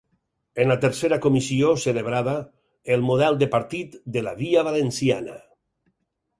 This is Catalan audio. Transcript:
En la tercera comissió celebrada, El model de partit de la via valenciana.